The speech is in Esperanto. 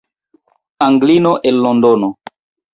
Anglino el Londono!